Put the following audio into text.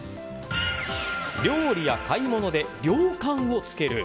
料理や買い物で量感をつける。